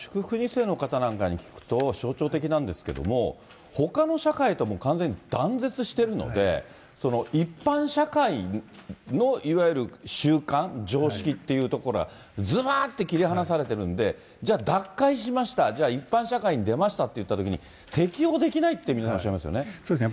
２世の方に聞くと、象徴的なんですけれども、ほかの社会とも完全に断絶してるので、一般社会のいわゆる習慣、常識っていうところがずばって切り離されてるんで、じゃあ、脱会しました、じゃあ、一般社会に出ましたってときに、適応できないって皆さん、そうですね。